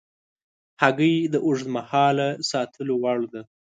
هګۍ د اوږد مهاله ساتلو وړ ده.